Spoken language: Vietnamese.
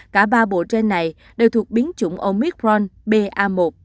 cả ba bộ gen này đều thuộc biến chủng omicron ba một